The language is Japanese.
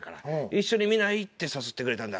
「一緒に見ない？」って誘ってくれたんだ